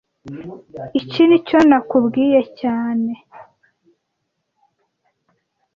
Iki nicyo nakubwiye cyane